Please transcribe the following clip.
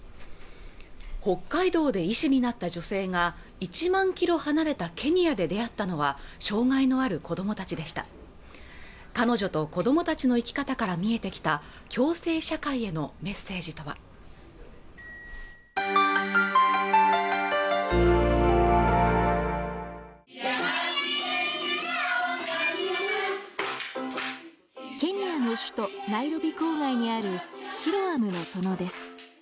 北海道で医師になった女性が１万キロ離れたケニアで出会ったのは障害のある子どもたちでした彼女と子供たちの生き方から見えてきた共生社会へのメッセージとはケニアの首都ナイロビ郊外にあるシロアムの園です